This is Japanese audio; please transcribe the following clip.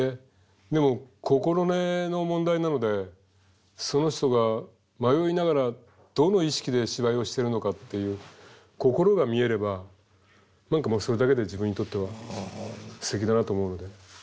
でも心根の問題なのでその人が迷いながらどの意識で芝居をしてるのかっていう心が見えれば何かもうそれだけで自分にとってはすてきだなと思うので。